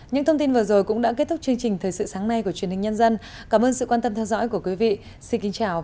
những thông tin vừa rồi cũng đã kết thúc chương trình thời sự sáng nay của truyền hình nhân dân cảm ơn sự quan tâm theo dõi của quý vị xin kính chào và hẹn gặp lại